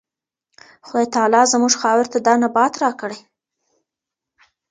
خدای تعالی زموږ خاورې ته دا نبات راکړی.